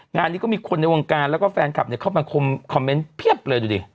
งานนี้ก็มีคนในวงการแล้วก็แฟนคลับเข้ามาคมคอมเมนต์เพียบเลยดูดิ